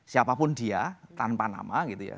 siapapun dia tanpa nama gitu ya